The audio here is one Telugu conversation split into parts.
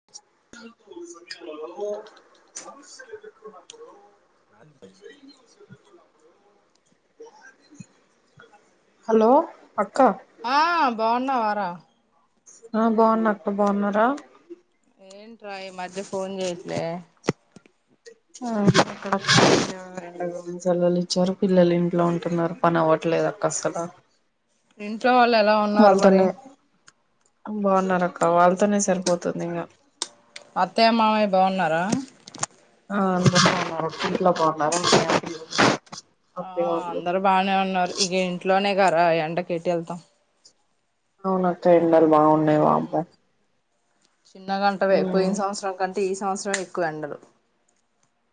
[unintelligible] లో సమస్యలు ఎదురుకున్నపుడు అంతే ఫేలుర్స్ ఎదురుకునప్పుడు హలో అక్క ఆ బాగున్నా వారా ఆ బాగున్న అక్క బాగున్నారా ఏంట్రా ఈ మధ్య ఫోన్ చేయట్లే ఇక్కడ రెండ సెలలు ఇచ్చారు పిల్లలు ఇంట్లో ఉంటున్నారు పని అవ్వట్లేదు అక్క అసలు ఇంట్లో వాళ్ళు ఎలా ఉన్నారు మరి వాళ్ళతోనే బాగున్నారు అక్క వాళ్ళతోనే సరిపోతుంది ఇంగా అత్తయ్య మామయ్య బాగున్నారా ఆ అందరు బాగున్నారు ఇంట్లో బాగున్నారా ఆంటీ వాళ్ళు అత్తయ్య వాళ్ళు బాగానే ఉన్నారు ఇగా ఇంట్లోనే గారా ఎండకు ఎటు ఎళ్తాం అవును అక్క ఎండలు బాగున్నాయి వామ్మో చిన్న గంటవే పోయిన సంవత్సరం కంటే ఈ సంవత్సరంమే ఎక్కువ ఎండలు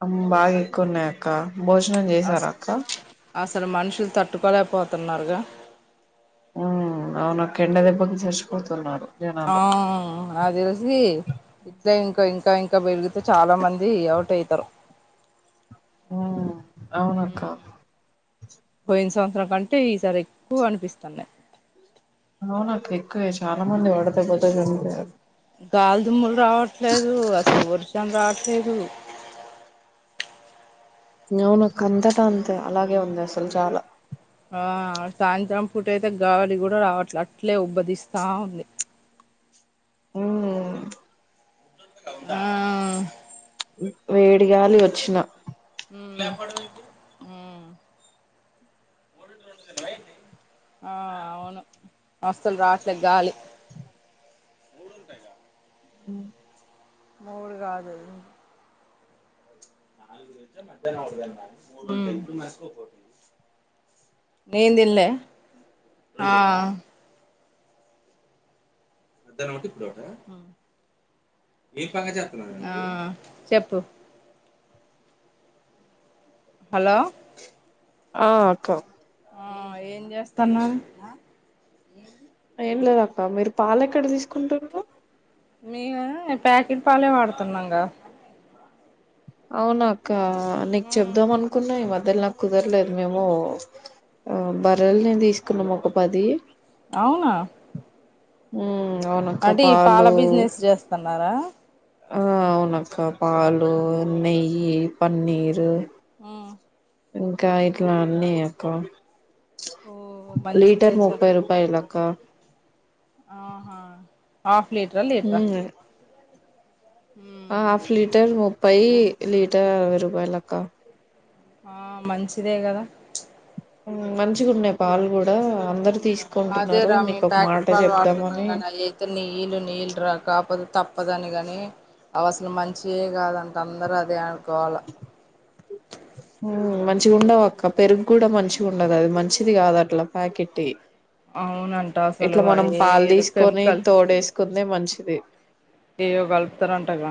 అ మ్ బాగా ఎక్కున్నాయి అక్క భోజనం జే అస్ అసలు మనుషులు తట్టుకోలేకపోతున్నారుగా ఉ అవును అక్క ఎండ దెబ్బకి జడిసిపోతున్నారు అ నాకు తెలిసి ఇట్లా ఇంకా ఇంకా ఇంకా పెరిగితే చాలా మంది అవుట్ అయితరు ఉ పోయిన సంవత్సరం కంటే ఈసారి ఎక్కువ అనిపిస్తున్నాయి అవును అక్క ఎక్కువే చాలా మంది వడదెబ్బ త గాలిదుమ్ములు రావట్లేదు అసలు వర్షం రావట్లేదు అవును అక్క అంతట అంతే అలాగే ఉంది అసలు చాలా ఆ సాయంత్రం పూట అయితే గాలి గూడా రావట్లే అట్లే ఉబ్బరిస్తా ఉంది ఉమ్ ఆ వేడిగాలి వచ్చిన ఉమ్ ఆ అవును అసలు రాట్లే గాలి ఉ ముడుగాదాది ఆ నేన్ తిన్లే ఆ మద్యానం ఒకటి ఇప్పుడుోట ఏ ప చేస్తున్నా చెప్పు హలో ఆక ఆ ఏం చేస్తాన్నావ్ ఏం లేదక్క మీరు పాలు ఎక్కడ తీస్కుంటరు మేమ ప్యాకెట్ పాలే వాడుతున్నాంగా అవ్నాక నీకు చేబ్దం అనుకున్నా ఈ మధ్య కుదర్లేదు మేము బర్రల్ని తీస్కున్నాము ఒక పది అవునా ఉమ్ అవునక్క అంటే ఈ పాల పాలు బిజినెస్ చేస్తున్నారా ఆ అవునక్క పాలు నెయ్యి పన్నీరు ఆ ఇంకా ఇట్లా అన్నీ అక్క ఓ మంచి లీటర్ చేశారు ముప్పై రూపా పైలు అక్క ఆహా హాఫ్ లీట్రా లీట్రా ఉ హాఫ్ లీటర్ ముప్పై లీటర్ అరవై రూపాయలక్క ఆ మంచిదే కదా మంచిగా ఉన్నా పాలు కూడా అందరు అదే తీస్కుంటున్నారు రా మీకు మేము ఒక మాట ప్యాకెట్ పాలు వాడుతున్నాం చెప్దామని కానీ అవి అయితే నీళ్ళు నీళ్ళు రాకా కాపోతే తప్పదని కాని అవాసాలు మంచిఎ కాదు అంట అందరు అదె అన్కోవాల మంచిగా ఉండవు అక్క పెరుగు కూడా మంచిగా ఉండదు అది మంచిది కాదు అట్లా ప్యాకెట్టి అవునంట అసలు ఇట్లా మనం అయి పాలు ఏదో తీస్కొని కెమికల్ తోడేసుకుందె మంచిది ఏయ్యో గల్పుతారంటగా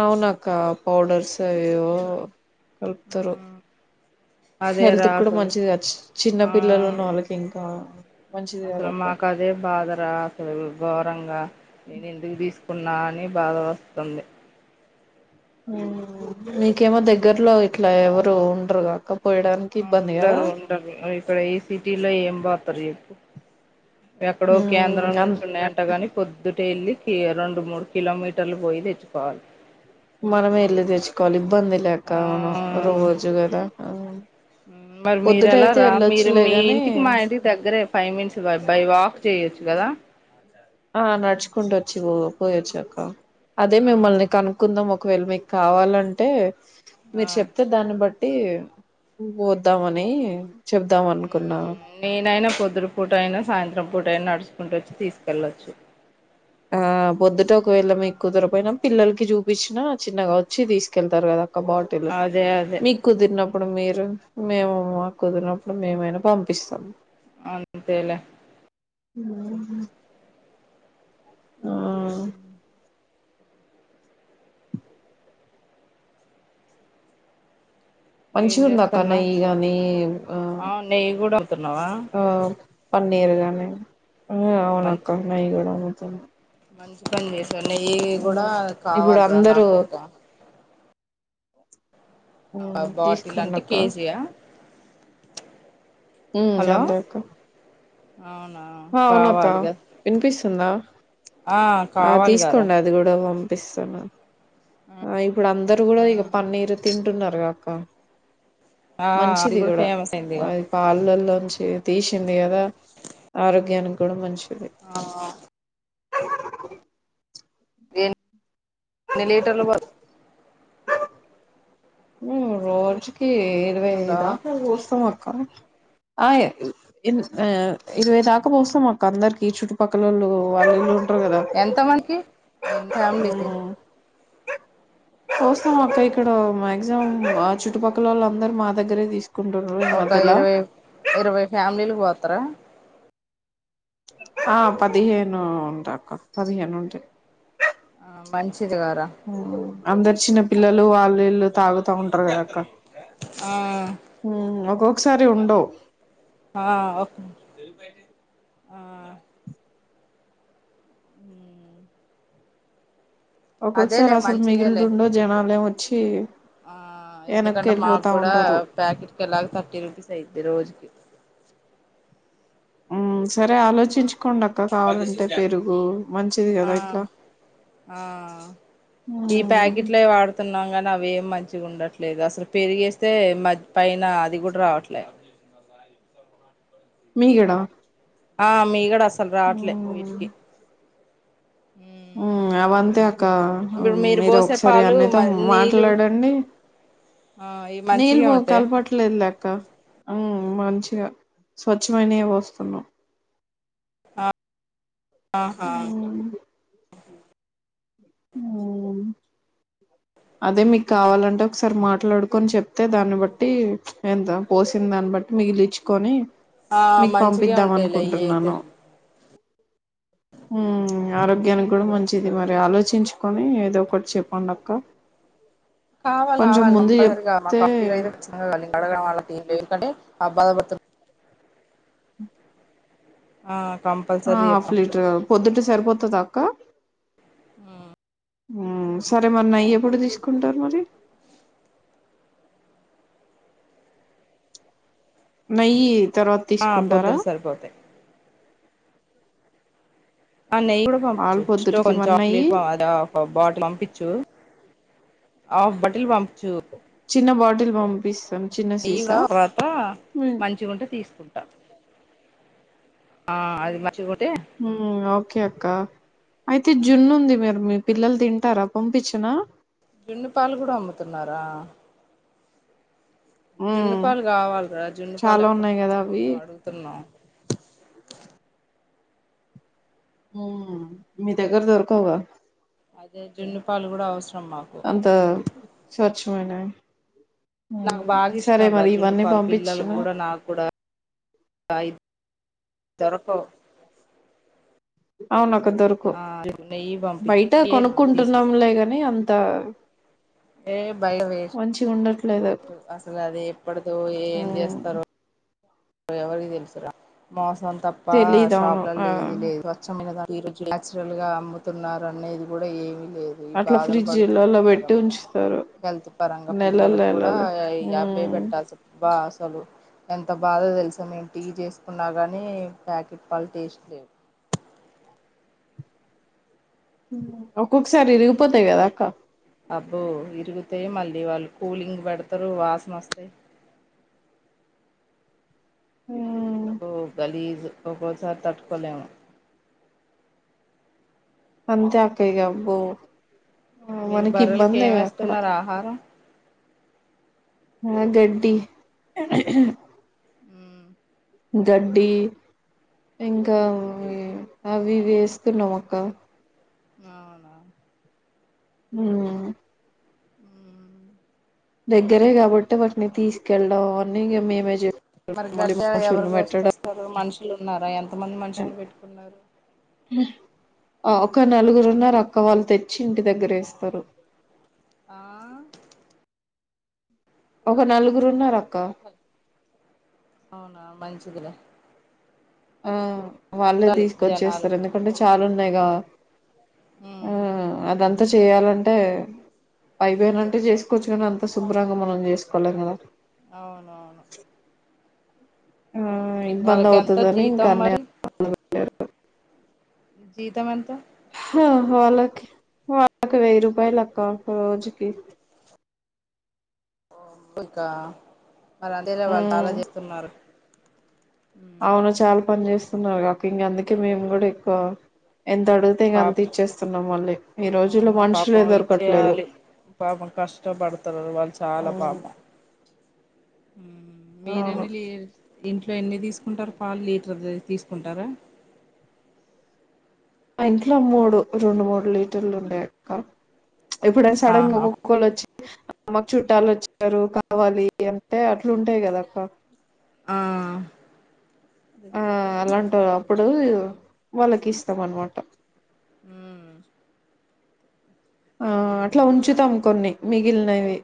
అవునాక్క పౌడర్స్ అవేవో కల్పతారు ఉమ్ హెల్త్ అదేరా కూడా అసలు మంచిది చిన్న పిల్లలు ఉన్న వాళ్ళకి ఇంకా మంచిది అసలా కాదక్క మాకాజ అదే బాధరా అసలు ఘోరంగా నేను ఎందుకు తీసుకున్నా అని బాధ వస్తుంది నీకేమో దగ్గరలో ఇట్లా ఎవరు ఉండరుగాక పోయడాన్ ఆ ఉండరు ఉండరు ఇక్కడ ఇ సిటీలో ఏం బతారు చెప్పు ఎక్కడో కేంద్రం ఉమ్ నుంచి ఉన్నాయంట కాని పొద్దుటే వెళ్ళి కె రెండు మూడు కిలోమీటర్లు పోయి తెచ్చుకోవాలి మనం ఎళ్ళ తెచ్చుకోవాలి ఇబ్బంది ఆ లేెక్క రోజు కుడా ఆ మరి మీరు ఎలా పొద్దుటయితే రా మీరు వెళ్ళొచ్చులే మీ గాని ఇంటికి మా ఇంటికి దగ్గరే ఫైవ్ మినిట్స్ బై వాక్ చేయొచ్చు కదా ఆ నడ్చుకుంటోచి పో పోయొచ్చు అక్క అదే ఆ మిమ్మల్ని కను కుందాం ఒకవేళ మీకు కావాలంటే ఆ మీరు చెప్తే దాన్ని బట్టి పోద్దామని చెప్దాం అనుకున్నా నేనైనా పొద్దుట పూట అయినా సాయంత్రం పూట అయినా నడుచుకుంట వచ్చి తీసుకెళ్లొచ్చు ఆ పొద్దుట ఒకవేళ మే కుదరపోయినా పిల్లలకి చూపించిన చిన్నగా వచ్చి తీసుకెళ్తారు కదా ఒక బాటిల్లు అదే అదే మీ కుదిరినప్పుడు మీరు మేము మాకుదిరినప్పుడు మేమైనా పంపిస్తాము అ అంతేలే ఉహు ఉ ఆ ఏం మంచిగుందక్క చేస్తున్నా నెయ్యి గాని ఆ అవును నెయ్యి కూడా అమ్ముతున్నావా ఆ పన్నీర్గానేే ఉ ఓ అవునుక్కా మంచిది నెయ్యి గూడా అమ్ముతారు మంచి పని చేశా నెయ్యి కూడా కావాలరా నాకు ఒక ఉ బాటిల్ అంటే తీసుకోడాక్క కేజీయా ఉ హలో అందాకు అవునా హా అవునక్క కావాలి కదా వినిపిస్తుందా ఆ ఆ కావాలిగారా తీసుకోంద అది కూడా పంపిస్తాను ఆ ఇప్పుడు అందరూ కూడా ఇక పన్నీర్ తింటున్నారుకాక్క ఆ అది మంచిది కూడా ఫేమస్ ఆ అయిందిగా ఇప్ పళల్లోంచి తీసింది కదా ఆరోగ్యానికి కూడా మంచిది ఆ ఎన్ని లీటర్లు బ ఉ రోజుకి ఇరవై ఐదు హలో దాక పోస్తాం అక్క ఆ ఏ ఇర్ ఆ ఇరవై దాకా పోస్తామక్కా అందరికి చుట్టుపక్కలోళ్ళు వాళ్ళు ఇళు ఉంటారు గాదా ఎంత మనకి ఫ్యామిలీకి పోస్తామాక్క ఇక్కడ మాక్సిమం ఆ చుట్టుపక్కలోవళ్ళు అందరూ మా దగ్గరే తీసుకు ఒక ఇరవై ఇరవై ఫ్యామిలీలు పొత్తరా ఆ పదిహేను ఉంటా అక్క పదిహేను ఉంట ఆ మంచిదిగారా ఉ అందరూ చిన్న పిల్లలు వాళ్ళు వీళ్ళు తాగుతా ఉంటారు కదక్క ఆ ఒక్కొక్కసారి ఉండవు ఆ తే ఆ ఉ ఒక్కొక్కసారి అసలు మిగిలిందు మంచిదేలే ఉండవు జనాలే వచ్చి ఎన్నకేళ్ళిపోతా ఉంటారు ప్యాకెట్ కి ఎలాగో థర్టీ రూపీస్ అయిద్ధి రోజుకి ఉమ్ సరే ఆలోచించుకొండక్క కావాలంటే పెరుగు మంచిది ఆ కదా ఇట్లా ఆ ఉ ఈ ప్యాకెట్లే వాడుతున్నాం కానీ అవి ఏం మంచిగా ఉండట్లేదు అసలు పెరిగేస్తే మ పైన అది కూడా రావట్లేదు మీగడ ఆ మీగడ అసల్ రావట్లే ఉమ్ వీటికి ఉ అవంతే అక్క ఇప్పుడు మీరు పోసే ఒకసారి పాలు అన్నయ్య తో మ నీళ్ళు మాట్లాడండి ఆ ఇవి నీళ్లు మంచిగే బాగా ఉంటాయి కల్పట్ల లేదులెక్క ఆ ఉమ్ మంచిగా స్వచ్ఛమైన యేస్తున్నాం ఆహా ఉమ్ అవును అదే మీకు కావాలంటే ఒకసారి మాట్లాడుకొని చెప్తే దాన్ని బట్టి ఎందొ పోసింది దాన్ని బట్టి మిగిలిచ్చుకొని ఆ మీకు మంచిగే పంపిద్దాం ఉంటాయిలే ఇవి అయితే అనుకుంటున్నాను ఉ ఆరోగ్యానికి కూడా మంచిది మరి ఆలోచి చించుకొని ఏదో ఒకటి చెప్పండి అక్క కావాలి కొంచెం కావాలి ముందు కంపల్సరీ చెప్తే కావాలి [unintelligible] అడగడం వాళ్ళ ఏం లే ఎందుకంటే ఆ బాధపడుతు ఆ ఆ కంపల్ ఆ హాఫ్ లీటర్ పొద్దుటే సరిపోతదా అక్క ఉ ఉ సరే మరి నెయ్యి ఎప్పుడు తీసుకుంటారు మరి నెయ్యి తర్వాత ఆ తీసుకుంటారా పొద్దుట సరిపోతాయి ఆ నెయ్యి కూడా పాలు పొద్దుటికి మరి నెయ్యి పంపిచ్చు [inaudible] బాటిల్ అంపిచ్చు ఆఫ్ బాటిల్ పంపించు చిన్న బాటిల్ పంపిస్తాం చిన్న నెయ్యి సీసా తర్వాత ఉమ్ మంచిగుంటే తీసుకుంటా ఆ అది మంచి గుంటే ఉ ఓకే అక్కా అయితే జున్ను ఉంది మీరు మీ పిల్లలు తింటారా పంపించిన జున్ను పాలు కూడా అమ్ముతున్నారా జున్ను ఉమ్ పాలు కావాలి రా జున్ను పాలు చాలా ఎప్పటి ఉన్నాయి కదా నుంచో అవి మేము అడుగుతున్నాం ఉ మీ దగ్గర దొరకవు గా అదే జున్ను పాలు కూడా అవసరం మాకు అంత స్వచ్ఛమైన నాకు బాగా ఇష్టం రా జున్ను ఇవన్నీ పాలు పంపించు పిల్లలకి కూడా నాకు కూడా దొరకవ్ అవున అక్క దొరకవ్ నెయ్యి పంపించు బయట తీసుకుంటా కొనుక్కుంటున్నాంలేగాని అంత ఏ భయట వేస్ట్ మంచిగా ఉండట్లేదు అసలు అది ఎప్పటిదో ఏం ఉమ్ చేస్తారో ఎవరికి తెలుసురా మోసం తప్ప తెలీదు అవును ఆ షాప్లల్లో ఏమి లేదు స్వచ్ఛమైనదా [unintelligible] గా అమ్ముతున్నారు అనేది కూడా ఏమి లేదు ఈ అట్లా బాధలు ఫ్రిడ్జ్ పడుతున్నాం లల్లో కదా పెట్టి మనం ఉంచుతారు హెల్త్ పరంగా నెలలు పిల్లలకు కూడా నెలలు యా అవే ఉమ్ పెట్టాల్స బా అసలు ఎంత బాధ తెలుసా మేం టీ చేసుకున్నా కానీ ప్యాకెట్ పాళ్ళ టేస్ట్ లేవు ఒక్కొక్కసారి విరిగిపోతాయి కదా అక్క అబ్బో విరిగుతే మళ్ళీ వాళ్ళు కూలింగ్ పెడతారు వాసన వస్తయి ఉమ్ అబ్బో గలీజ్ ఒక్కోసారి తట్టుకోలేము అంతే అక్క ఇగ అబ్బో మనకి ఇబ్బందే అక్కడ ఆహార ఆ గడ్డి గడ్డి ఇంకా అవి ఇవి వేస్తున్నాం అక్క అవునా మ్ హు ఆ దగ్గరే కాబట్టి వాటిని తీసుకెళ్డం అని మేమే చెప్ మరి గడ్డ ఎవరి గోసుకొస్తారు మనుషులు ఉన్నారా ఎంత మంది మనుషులు పెట్టుకు ఉన్నారు ఒక నలుగురు ఉన్నారు అక్క వాళ్ళు తెచ్చి ఇంటి దగ్గర వేస్తారు ఆ ఒక నలుగురు ఉన్నారు అక్కా అవునా మంచిదిలే ఆ వాళ్ళే ఉండాలి జనాలు తీసుకొచ్చేస్తారు అండి అంటే చాలా ఉన్నాయి గా ఆ ఉమ్ అదంత అంతా చేయాల అంటే అయిపోయినంటే చేసుకోవచ్చు కానీ అంత శుభ్రంగా మనం చేసుకోలేం కదా అవును అవును ఆ ఇబ్బందీ వాళ్ళకి ఎంత అవుతద అని ఇంకా జీతం అన్నాయ మరి జీతం ఏంత వాళ్ళకి వాళ్ళకి వెయ్యి రూపాయలు అక్క రోజుకి ఓ ఉకా మరి అంతలా వాళ్ళు చాలా ఉమ్ చేస్తు ఉన్నారు మ్ అవును చాలా పని చేస్తు ఉన్నావుగ అక్క ఇంగ అందుకే మేము కూడా ఎక్కువ ఎంత అడుగు ఇగా అంత పాపం ఇచ్చేస్తున్నాం మళ్ళీ ఈ రోజుల్లో అవును మనుషులు పాపం దొరకట్లేదు ఇచ్చేయాలి పాపం కష్టపడతారు వాళ్ళు చాలా ఉమ్ పాపం మీర్ అవును ఎన్నిలి ఇంట్లో ఎన్ని తీసుకుంటారు పాలు లీటర్ తీసుకుంటారా ఆ ఇంట్లో మూడు రెండు మూడు లీటర్లు ఉండే అక్క ఎప్పుడైనా సడన్ గా ఆహా ఒక్కో ఒక్కలు వచ్చి అ మాక్ చుట్టాలు వచ్చారు కావాలి అంటే అట్లు ఉంటాయి కద అక్క ఆ ఆ అలాంటి అప్పుడు ఉమ్ వాళ్ళకి ఇస్తాం అన్ మాట మ్ ఆ అట్లా ఉంచుతాం కొన్ని మిగిల్ నవి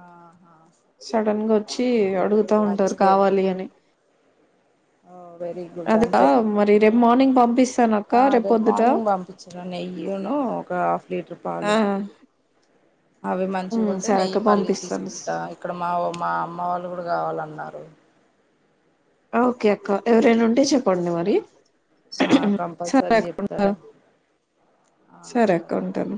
ఆహా సడన్ గా వచ్చి అడుగుతా ఉంటారు మంచిదేలే కావాలి అని ఆ వేరిగు అదగా మరి రేపు మార్నింగ్ పంపిస్తాన అక్క రేపు పొద్దుట ఇగ నెయ్యిను ఒక హాఫ్ లీటర్ ఆ పాలు అవి మంచిగా ఉమ్ ఉంటే సరే నెయ్యి అక్క మళ్ళీ పంపిస్తాను తీసుకుంటా ఇక్కడ మా మా అమ్మ వాళ్ళు కూడా కావాల అన్నారు ఓకే అక్క ఎవరైనా ఉంటే చెప్పండి మరి ఆ సరే కంపల్సరీ అక్క చెప్తారా ఉంటాను ఆ సరే అక్క సరేరా ఉంటాను